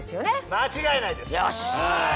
間違いないです！